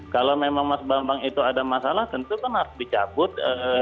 kalau memang mas bambang itu ada masalah tentu kan harus dicabut